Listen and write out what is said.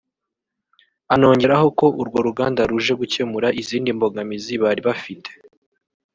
anongeraho ko urwo ruganda ruje gukemura izindi mbogamizi bari bafite